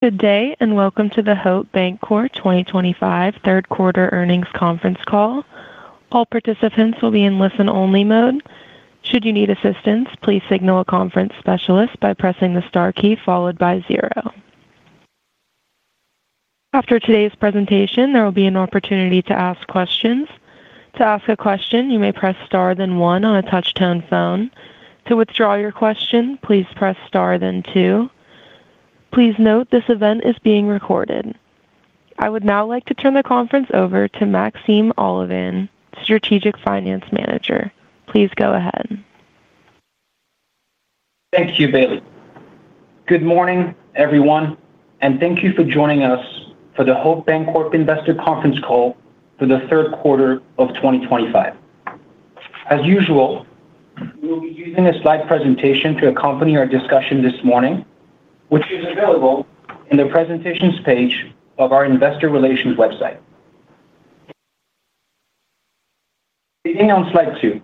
Today, and welcome to the Hope Bancorp 2025 third quarter earnings conference call. All participants will be in listen-only mode. Should you need assistance, please signal a conference specialist by pressing the star key followed by zero. After today's presentation, there will be an opportunity to ask questions. To ask a question, you may press star then one on a touch-tone phone. To withdraw your question, please press star then two. Please note this event is being recorded. I would now like to turn the conference over to Maxime Olivan, Strategic Finance Manager. Please go ahead. Thank you, Bailey. Good morning, everyone, and thank you for joining us for the Hope Bancorp investor conference call for the third quarter of 2025. As usual, we will be using a slide presentation to accompany our discussion this morning, which is available in the presentations page of our investor relations website. Beginning on slide two,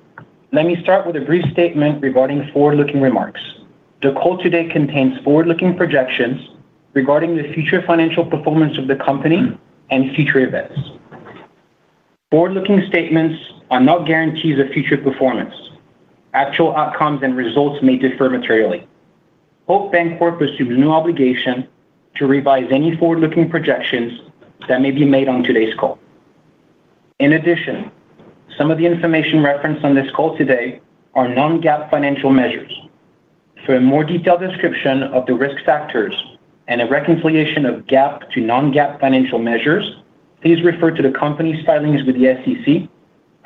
let me start with a brief statement regarding forward-looking remarks. The call today contains forward-looking projections regarding the future financial performance of the company and future events. Forward-looking statements are not guarantees of future performance. Actual outcomes and results may differ materially. Hope Bancorp assumes no obligation to revise any forward-looking projections that may be made on today's call. In addition, some of the information referenced on this call today are non-GAAP financial measures. For a more detailed description of the risk factors and a reconciliation of GAAP to non-GAAP financial measures, please refer to the company's filings with the SEC,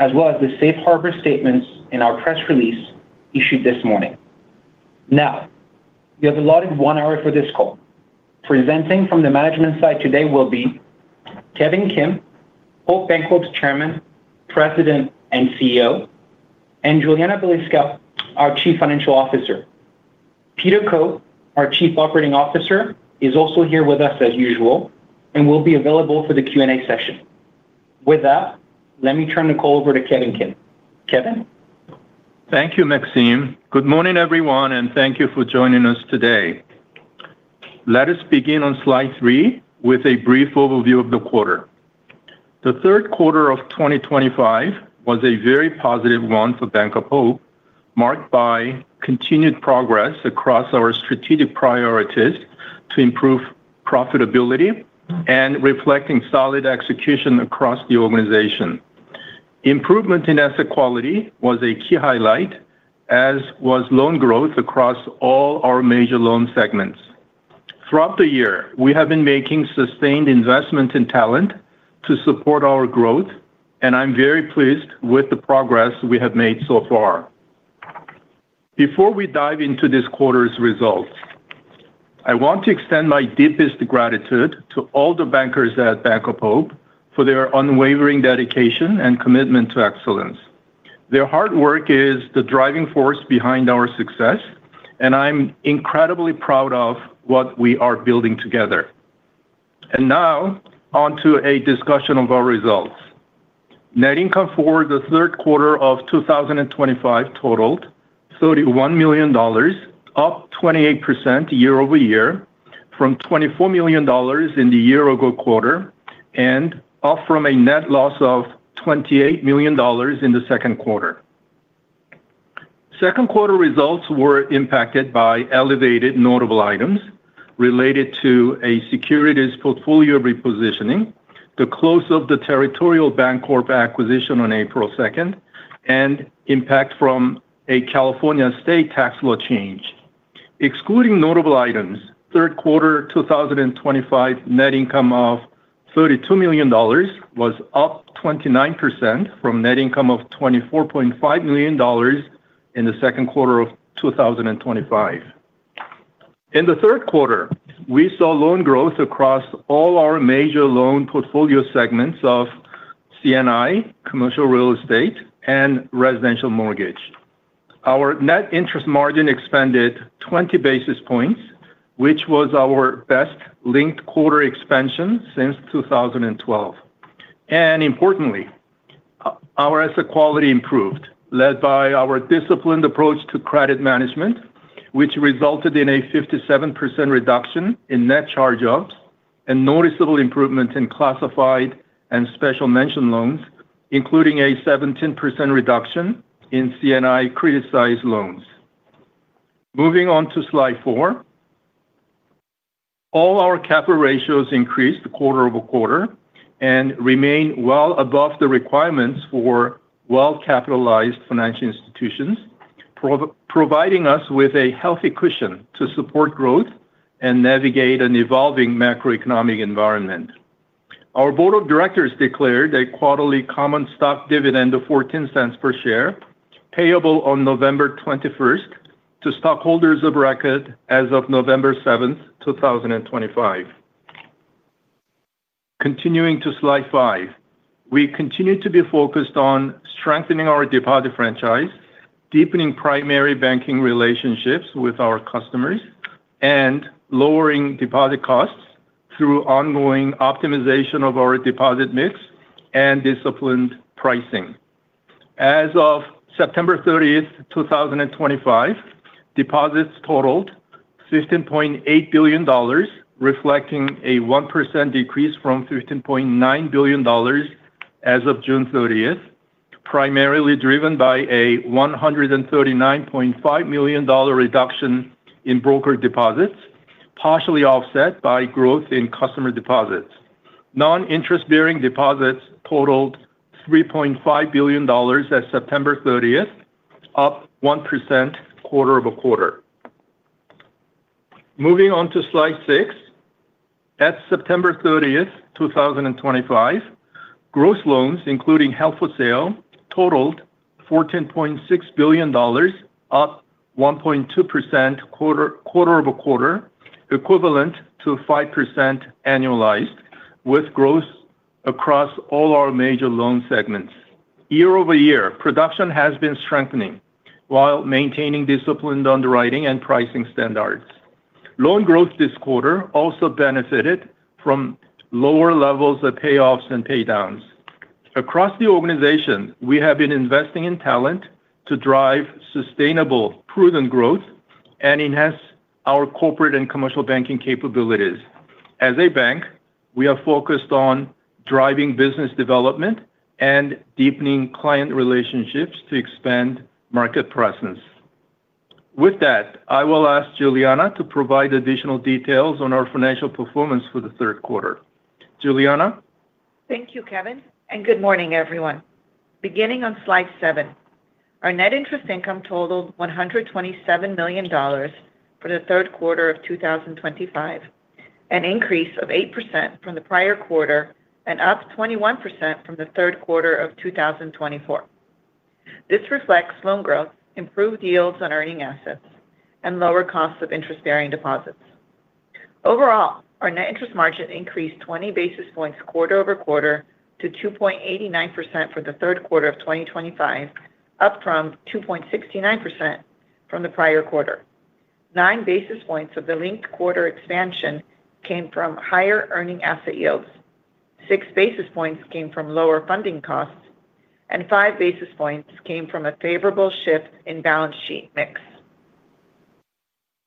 as well as the safe harbor statements in our press release issued this morning. Now, we have allotted one hour for this call. Presenting from the management side today will be Kevin Kim, Hope Bancorp's Chairman, President, and CEO, and Julianna Balicka, our Chief Financial Officer. Peter Koh, our Chief Operating Officer, is also here with us as usual and will be available for the Q&A session. With that, let me turn the call over to Kevin Kim. Kevin? Thank you, Maxime. Good morning, everyone, and thank you for joining us today. Let us begin on slide three with a brief overview of the quarter. The third quarter of 2025 was a very positive one for Bank of Hope, marked by continued progress across our strategic priorities to improve profitability and reflecting solid execution across the organization. Improvement in asset quality was a key highlight, as was loan growth across all our major loan segments. Throughout the year, we have been making sustained investments in talent to support our growth, and I'm very pleased with the progress we have made so far. Before we dive into this quarter's results, I want to extend my deepest gratitude to all the bankers at Bank of Hope for their unwavering dedication and commitment to excellence. Their hard work is the driving force behind our success, and I'm incredibly proud of what we are building together. Now, on to a discussion of our results. Net income for the third quarter of 2025 totaled $31 million, up 28% year-over-year from $24 million in the year-ago quarter and up from a net loss of $28 million in the second quarter. Second quarter results were impacted by elevated notable items related to a securities portfolio repositioning, the close of the Territorial Bancorp acquisition on April 2nd, and impact from a California state tax law change. Excluding notable items, third quarter 2025 net income of $32 million was up 29% from net income of $24.5 million in the second quarter of 2025. In the third quarter, we saw loan growth across all our major loan portfolio segments of C&I, commercial real estate, and residential mortgage. Our net interest margin expanded 20 basis points, which was our best linked quarter expansion since 2012. Importantly, our asset quality improved, led by our disciplined approach to credit management, which resulted in a 57% reduction in net charge-offs and noticeable improvement in classified and special mention loans, including a 17% reduction in C&I criticized loans. Moving on to slide four, all our capital ratios increased quarter-over-quarter and remain well above the requirements for well-capitalized financial institutions, providing us with a healthy cushion to support growth and navigate an evolving macroeconomic environment. Our Board of Directors declared a quarterly common stock dividend of $0.14 per share, payable on November 21st to stockholders of record as of November 7th, 2025. Continuing to slide five, we continue to be focused on strengthening our deposit franchise, deepening primary banking relationships with our customers, and lowering deposit costs through ongoing optimization of our deposit mix and disciplined pricing. As of September 30th, 2025, deposits totaled $15.8 billion, reflecting a 1% decrease from $15.9 billion as of June 30th, primarily driven by a $139.5 million reduction in brokered deposits, partially offset by growth in customer deposits. Non-interest-bearing deposits totaled $3.5 billion as of September 30th, up 1% quarter-over-quarter. Moving on to slide six, at September 30th, 2025, gross loans, including held for sale, totaled $14.6 billion, up 1.2% quarter-over-quarter, equivalent to 5% annualized, with growth across all our major loan segments. Year-over-year, production has been strengthening while maintaining disciplined underwriting and pricing standards. Loan growth this quarter also benefited from lower levels of payoffs and paydowns. Across the organization, we have been investing in talent to drive sustainable, prudent growth and enhance our corporate and commercial banking capabilities. As a bank, we are focused on driving business development and deepening client relationships to expand market presence. With that, I will ask Julianna to provide additional details on our financial performance for the third quarter. Julianna? Thank you, Kevin, and good morning, everyone. Beginning on slide seven, our net interest income totaled $127 million for the third quarter of 2025, an increase of 8% from the prior quarter and up 21% from the third quarter of 2024. This reflects loan growth, improved yields on earning assets, and lower costs of interest-bearing deposits. Overall, our net interest margin increased 20 basis points quarter-over-quarter to 2.89% for the third quarter of 2025, up from 2.69% from the prior quarter. Nine basis points of the linked quarter expansion came from higher earning asset yields. Six basis points came from lower funding costs, and five basis points came from a favorable shift in balance sheet mix.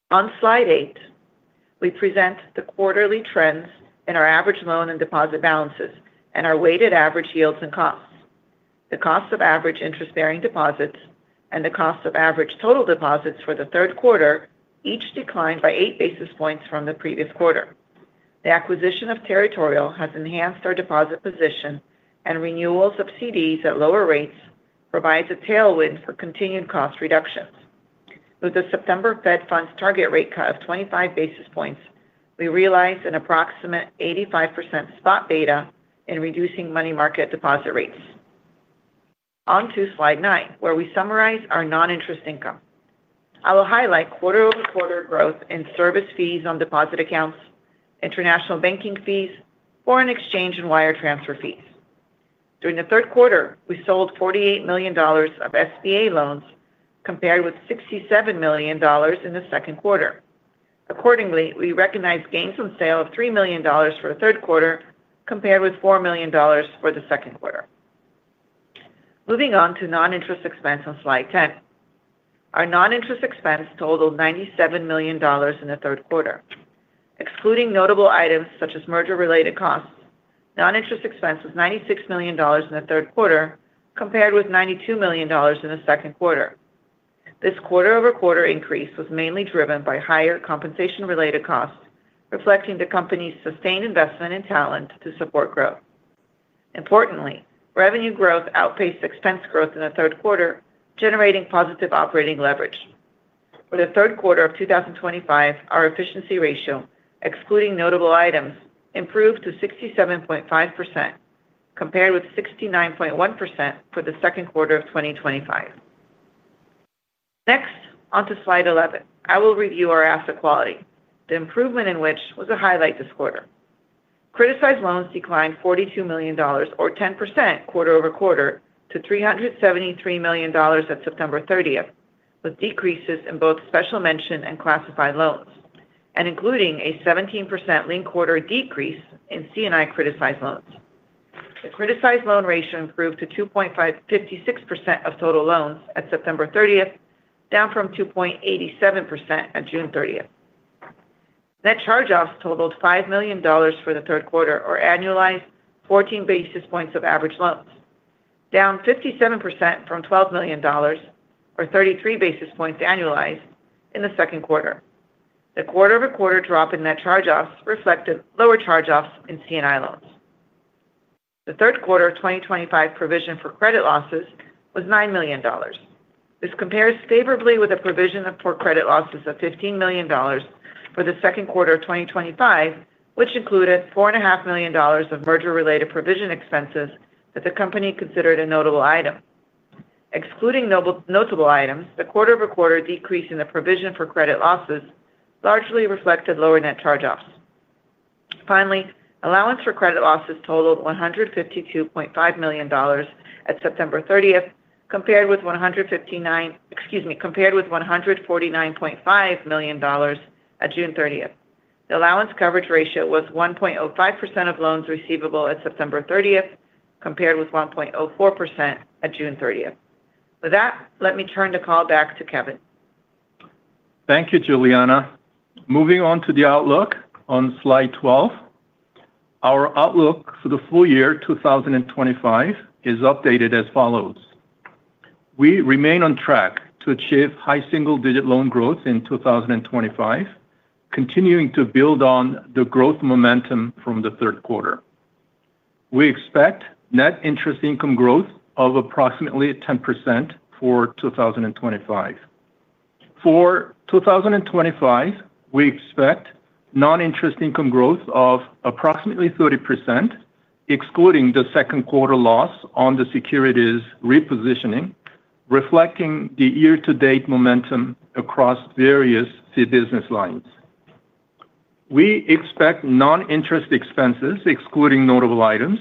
On slide eight, we present the quarterly trends in our average loan and deposit balances and our weighted average yields and costs. The cost of average interest-bearing deposits and the cost of average total deposits for the third quarter each declined by eight basis points from the previous quarter. The acquisition of Territorial has enhanced our deposit position, and renewal of CDs at lower rates provides a tailwind for continued cost reductions. With the September Fed funds target rate cut of 25 basis points, we realize an approximate 85% spot beta in reducing money market deposit rates. On to slide nine, where we summarize our non-interest income, I will highlight quarter-over-quarter growth in service fees on deposit accounts, international banking fees, foreign exchange, and wire transfer fees. During the third quarter, we sold $48 million of SBA loans compared with $67 million in the second quarter. Accordingly, we recognize gains on sale of $3 million for the third quarter compared with $4 million for the second quarter. Moving on to non-interest expense on slide 10, our non-interest expense totaled $97 million in the third quarter. Excluding notable items such as merger-related costs, non-interest expense was $96 million in the third quarter compared with $92 million in the second quarter. This quarter-over-quarter increase was mainly driven by higher compensation-related costs, reflecting the company's sustained investment in talent to support growth. Importantly, revenue growth outpaced expense growth in the third quarter, generating positive operating leverage. For the third quarter of 2025, our efficiency ratio, excluding notable items, improved to 67.5% compared with 69.1% for the second quarter of 2025. Next, on to slide 11, I will review our asset quality, the improvement in which was a highlight this quarter. Criticized loans declined $42 million, or 10% quarter-over-quarter, to $373 million at September 30th, with decreases in both special mention and classified loans, and including a 17% linked quarter decrease in C&I criticized loans. The criticized loan ratio improved to 2.56% of total loans at September 30th, down from 2.87% at June 30th. Net charge-offs totaled $5 million for the third quarter, or annualized 14 basis points of average loans, down 57% from $12 million, or 33 basis points annualized in the second quarter. The quarter-over-quarter drop in net charge-offs reflected lower charge-offs in C&I loans. The third quarter of 2025 provision for credit losses was $9 million. This compares favorably with a provision for credit losses of $15 million for the second quarter of 2025, which included $4.5 million of merger-related provision expenses that the company considered a notable item. Excluding notable items, the quarter-over-quarter decrease in the provision for credit losses largely reflected lower net charge-offs. Finally, allowance for credit losses totaled $152.5 million at September 30th, compared with $149.5 million at June 30th. The allowance coverage ratio was 1.05% of loans receivable at September 30th, compared with 1.04% at June 30th. With that, let me turn the call back to Kevin. Thank you, Julianna. Moving on to the outlook on slide 12, our outlook for the full year 2025 is updated as follows. We remain on track to achieve high single-digit loan growth in 2025, continuing to build on the growth momentum from the third quarter. We expect net interest income growth of approximately 10% for 2025. For 2025, we expect non-interest income growth of approximately 30%, excluding the second quarter loss on the securities repositioning, reflecting the year-to-date momentum across various business lines. We expect non-interest expenses, excluding notable items,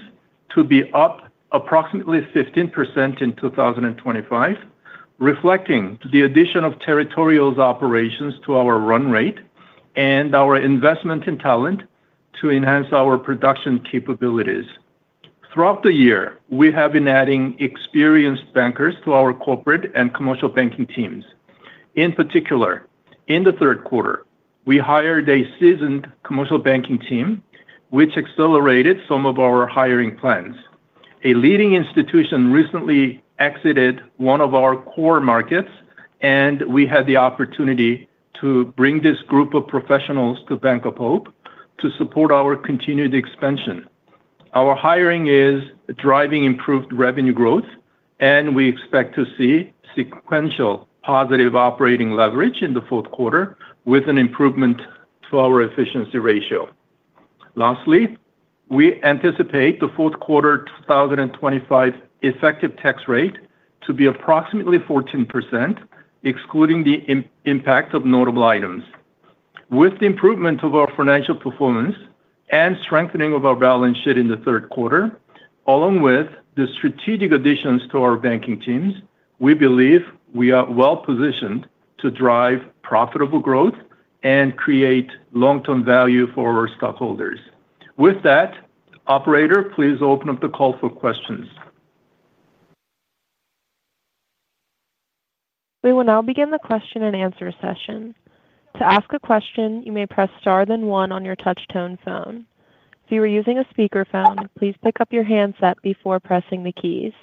to be up approximately 15% in 2025, reflecting the addition of Territorial's operations to our run rate and our investment in talent to enhance our production capabilities. Throughout the year, we have been adding experienced bankers to our corporate and commercial banking teams. In particular, in the third quarter, we hired a seasoned commercial banking team, which accelerated some of our hiring plans. A leading institution recently exited one of our core markets, and we had the opportunity to bring this group of professionals to Bank of Hope to support our continued expansion. Our hiring is driving improved revenue growth, and we expect to see sequential positive operating leverage in the fourth quarter, with an improvement to our efficiency ratio. Lastly, we anticipate the fourth quarter 2025 effective tax rate to be approximately 14%, excluding the impact of notable items. With the improvement of our financial performance and strengthening of our balance sheet in the third quarter, along with the strategic additions to our banking teams, we believe we are well-positioned to drive profitable growth and create long-term value for our stockholders. With that, operator, please open up the call for questions. We will now begin the question and answer session. To ask a question, you may press star then one on your touch-tone phone. If you are using a speaker phone, please pick up your handset before pressing the keys.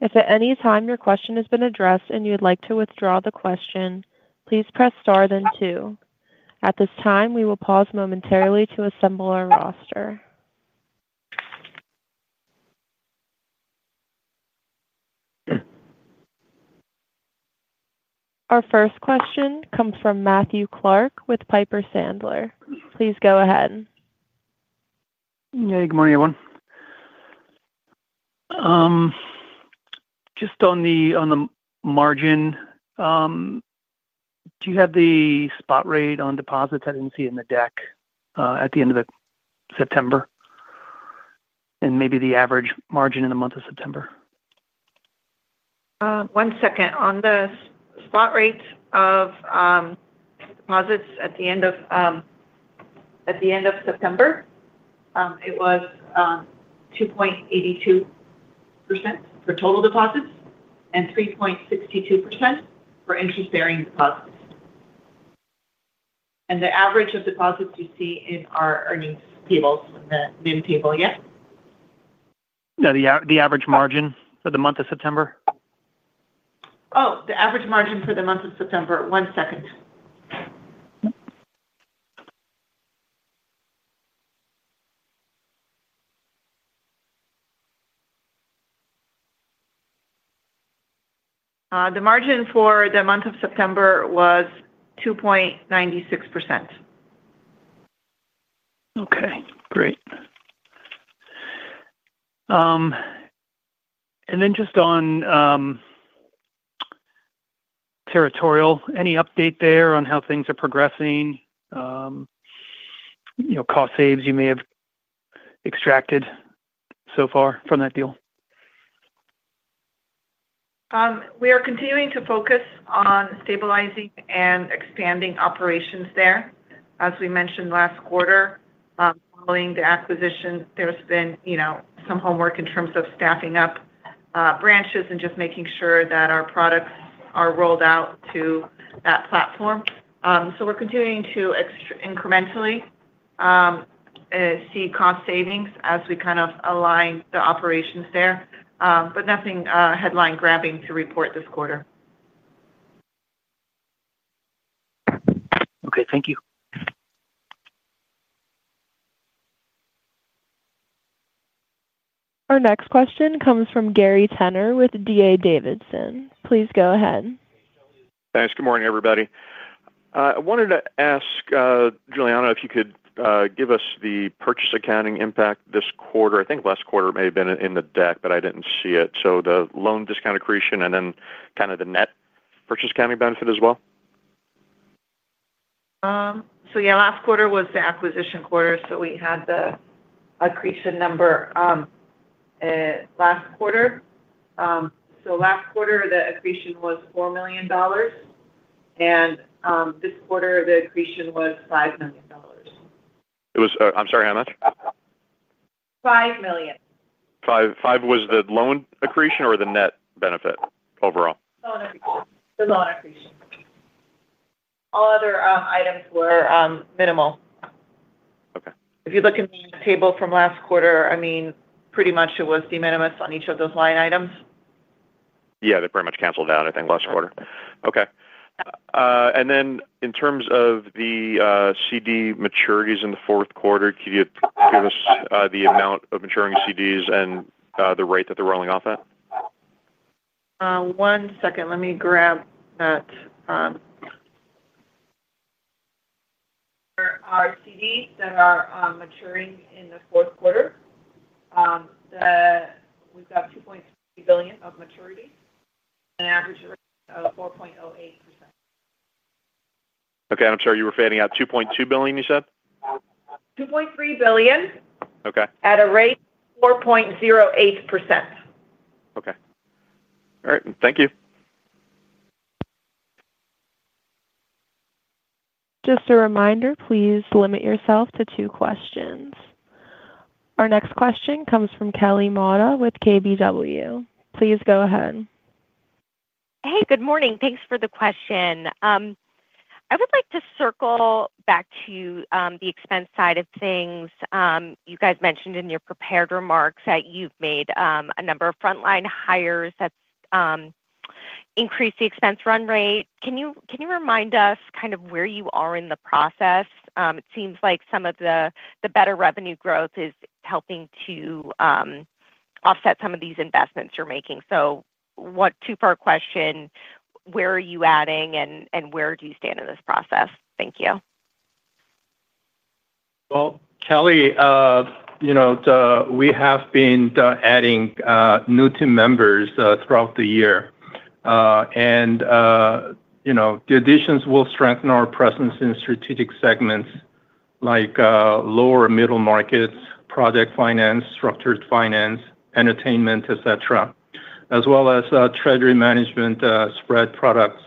If at any time your question has been addressed and you would like to withdraw the question, please press star then two. At this time, we will pause momentarily to assemble our roster. Our first question comes from Matthew Clark with Piper Sandler. Please go ahead. Hey, good morning, everyone. Just on the margin, do you have the spot rate on deposits? I didn't see it in the deck at the end of September. Maybe the average margin in the month of September. One second. On the spot rates of deposits at the end of September, it was 2.82% for total deposits and 3.62% for interest-bearing deposits. The average of deposits you see in our earnings tables is in the new table, yes? No, the average margin for the month of September. Oh, the average margin for the month of September. One second. The margin for the month of September was 2.96%. Okay. Great. Then just on Territorial, any update there on how things are progressing? You know, cost saves you may have extracted so far from that deal? We are continuing to focus on stabilizing and expanding operations there. As we mentioned last quarter, following the acquisition, there's been some homework in terms of staffing up, branches and just making sure that our products are rolled out to that platform. We are continuing to incrementally see cost savings as we kind of align the operations there, but nothing headline-grabbing to report this quarter. Okay, thank you. Our next question comes from Gary Tenner with D.A. Davidson. Please go ahead. Thanks. Good morning, everybody. I wanted to ask, Julianna, if you could give us the purchase accounting impact this quarter. I think last quarter it may have been in the deck, but I didn't see it. The loan discount accretion and then kind of the net purchase accounting benefit as well? Last quarter was the acquisition quarter, so we had the accretion number last quarter. Last quarter, the accretion was $4 million, and this quarter, the accretion was $5 million. I'm sorry, how much? $5 million. $5 million, $5 million, was the loan accretion or the net benefit overall? Loan accretion. The loan accretion. All other items were minimal. Okay. If you look in the table from last quarter, it was de minimis on each of those line items. Yeah, they pretty much canceled out, I think, last quarter. Yeah. Okay, in terms of the CD maturities in the fourth quarter, can you give us the amount of maturing CDs and the rate that they're rolling off at? One second. Let me grab that. For our CDs that are maturing in the fourth quarter, we've got $2.3 billion of maturities at an average rate of 4.08%. Okay. I'm sorry, you were fanning out $2.2 billion, you said? $2.3 billion. Okay. At a rate of 4.08%. Okay. All right, thank you. Just a reminder, please limit yourself to two questions. Our next question comes from Kelly Motta with KBW. Please go ahead. Hey, good morning. Thanks for the question. I would like to circle back to the expense side of things. You guys mentioned in your prepared remarks that you've made a number of frontline hires that's increased the expense run rate. Can you remind us kind of where you are in the process? It seems like some of the better revenue growth is helping to offset some of these investments you're making. Two-part question, where are you adding and where do you stand in this process? Thank you. Kelly, you know, we have been adding new team members throughout the year, and the additions will strengthen our presence in strategic segments like lower middle markets, project finance, structured finance, entertainment, etc., as well as treasury management, spread products,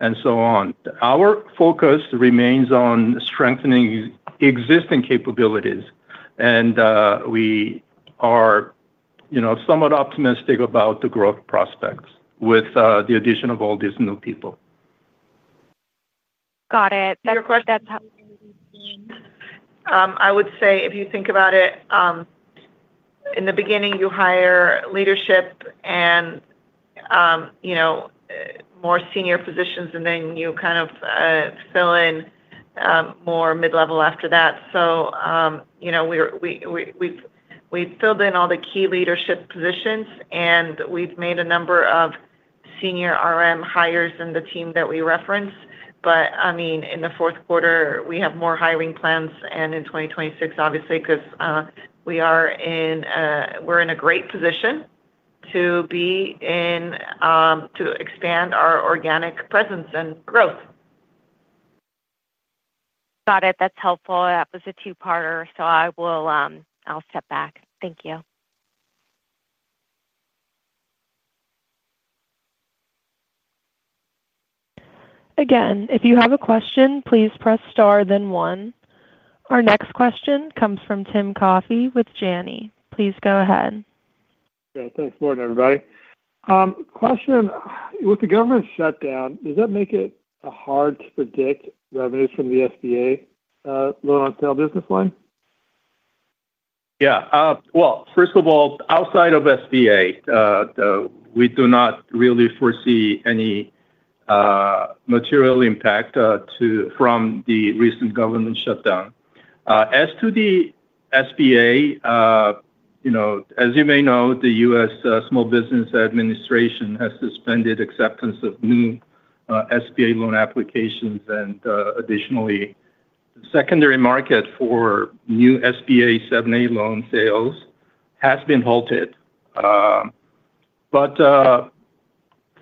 and so on. Our focus remains on strengthening existing capabilities, and we are, you know, somewhat optimistic about the growth prospects with the addition of all these new people. Got it. That's how we've seen. I would say if you think about it, in the beginning, you hire leadership and, you know, more senior positions, and then you kind of fill in more mid-level after that. We've filled in all the key leadership positions, and we've made a number of senior RM hires in the team that we reference. In the fourth quarter, we have more hiring plans. In 2026, obviously, we are in a great position to be in, to expand our organic presence and growth. Got it. That's helpful. That was a two-parter, so I'll step back. Thank you. Again, if you have a question, please press star then one. Our next question comes from Tim Coffey with Janney. Please go ahead. Yeah, thanks for it, everybody. Question, with the government shutdown, does that make it hard to predict revenues from the SBA loan sales business line? Yeah. First of all, outside of SBA, we do not really foresee any material impact from the recent government shutdown. As to the SBA, as you may know, the U.S. Small Business Administration has suspended acceptance of new SBA loan applications. Additionally, the secondary market for new SBA 7(a) loan sales has been halted.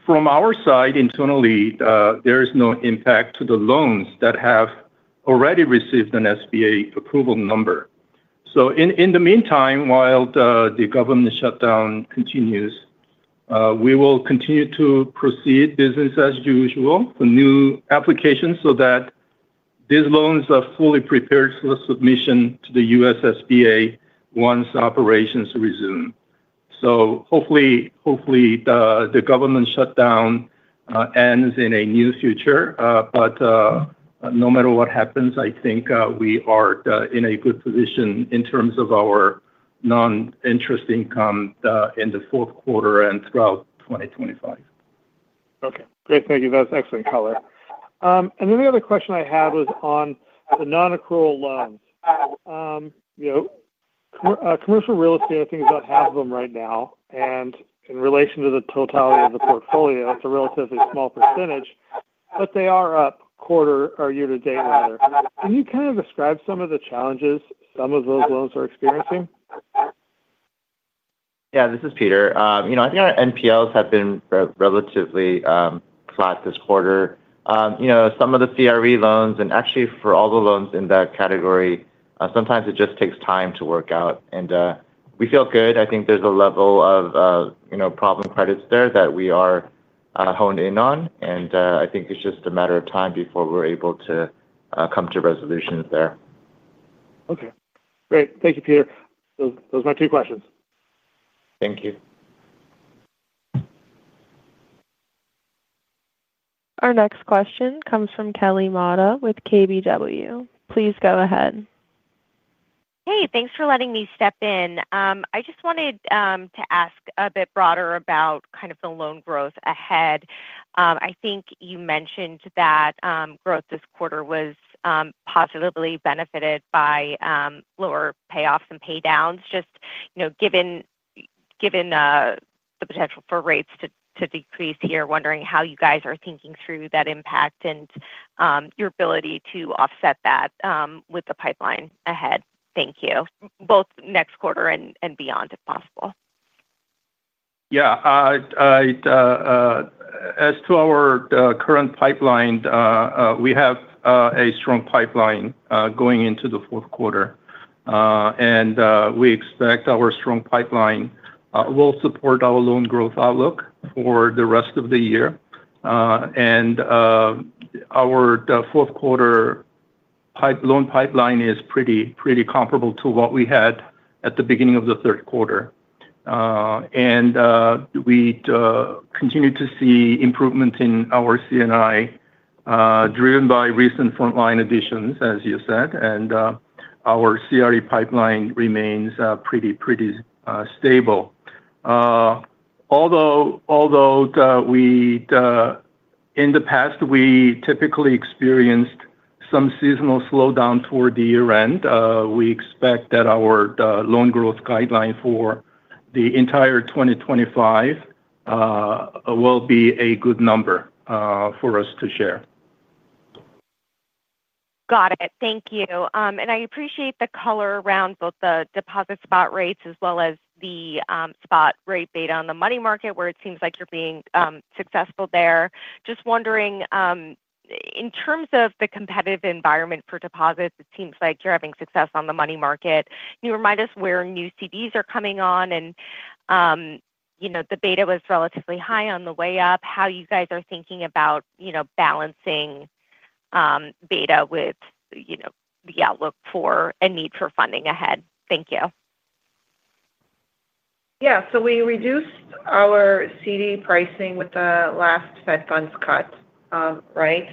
From our side, internally, there is no impact to the loans that have already received an SBA approval number. In the meantime, while the government shutdown continues, we will continue to proceed business as usual for new applications so that these loans are fully prepared for submission to the U.S. SBA once operations resume. Hopefully, the government shutdown ends in the near future. No matter what happens, I think we are in a good position in terms of our non-interest income in the fourth quarter and throughout 2025. Okay. Great. Thank you. That's excellent color. The other question I had was on the non-accrual loans. You know, commercial real estate, I think, is about half of them right now. In relation to the totality of the portfolio, it's a relatively small percentage, but they are up quarter or year to date, rather. Can you kind of describe some of the challenges some of those loans are experiencing? Yeah, this is Peter. I think our NPLs have been relatively flat this quarter. Some of the CRE loans, and actually for all the loans in that category, sometimes it just takes time to work out. We feel good. I think there's a level of problem credits there that we are honed in on. I think it's just a matter of time before we're able to come to resolutions there. Okay. Great. Thank you, Peter. Those are my two questions. Thank you. Our next question comes from Kelly Motta with KBW. Please go ahead. Hey, thanks for letting me step in. I just wanted to ask a bit broader about kind of the loan growth ahead. I think you mentioned that growth this quarter was positively benefited by lower payoffs and paydowns. Just, you know, given the potential for rates to decrease here, wondering how you guys are thinking through that impact and your ability to offset that with the pipeline ahead. Thank you. Both next quarter and beyond, if possible. Yeah. As to our current pipeline, we have a strong pipeline going into the fourth quarter, and we expect our strong pipeline will support our loan growth outlook for the rest of the year. Our fourth quarter loan pipeline is pretty comparable to what we had at the beginning of the third quarter, and we continue to see improvements in our C&I, driven by recent frontline additions, as you said. Our CRE pipeline remains pretty stable. Although in the past we typically experienced some seasonal slowdown toward the year-end, we expect that our loan growth guideline for the entire 2025 will be a good number for us to share. Got it. Thank you. I appreciate the color around both the deposit spot rates as well as the spot rate beta on the money market, where it seems like you're being successful there. Just wondering, in terms of the competitive environment for deposits, it seems like you're having success on the money market. Can you remind us where new CDs are coming on? The beta was relatively high on the way up. How you guys are thinking about balancing beta with the outlook for a need for funding ahead. Thank you. Yeah. We reduced our CD pricing with the last Fed funds cut, right?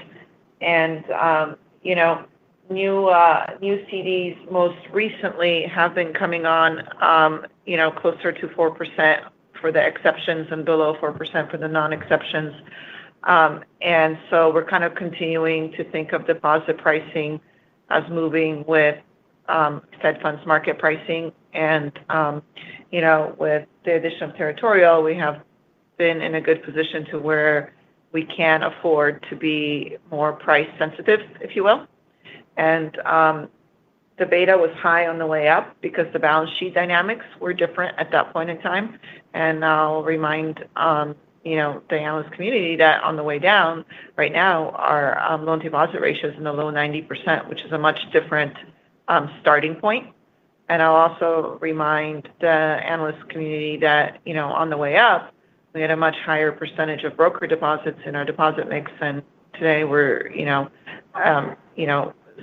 New CDs most recently have been coming on closer to 4% for the exceptions and below 4% for the non-exceptions. We're kind of continuing to think of deposit pricing as moving with Fed funds market pricing. With the addition of Territorial, we have been in a good position to where we can afford to be more price-sensitive, if you will. The beta was high on the way up because the balance sheet dynamics were different at that point in time. I'll remind the analyst community that on the way down, right now, our loan deposit ratio is in the low 90%, which is a much different starting point. I'll also remind the analyst community that on the way up, we had a much higher percentage of brokered deposits in our deposit mix. Today we're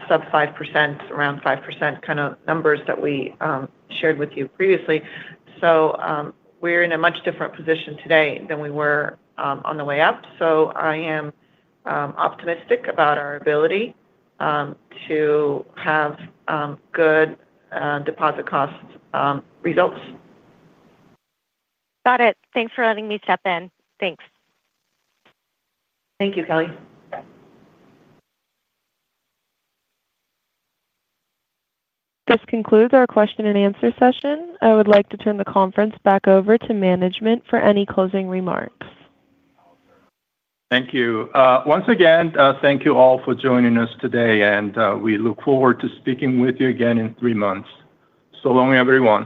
sub 5%, around 5% kind of numbers that we shared with you previously. We're in a much different position today than we were on the way up. I am optimistic about our ability to have good deposit costs results. Got it. Thanks for letting me step in. Thanks. Thank you, Kelly. This concludes our question and answer session. I would like to turn the conference back over to management for any closing remarks. Thank you. Once again, thank you all for joining us today. We look forward to speaking with you again in three months. So long, everyone.